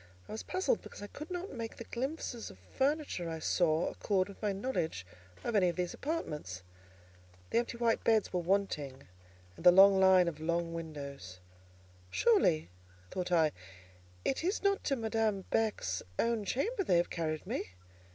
I was puzzled, because I could not make the glimpses of furniture I saw accord with my knowledge of any of these apartments. The empty white beds were wanting, and the long line of large windows. "Surely," thought I, "it is not to Madame Beck's own chamber they have carried me!"